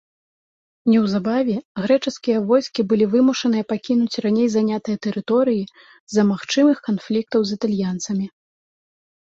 Неўзабаве грэчаскія войскі былі вымушаныя пакінуць раней занятыя тэрыторыі з-за магчымых канфліктаў з італьянцамі.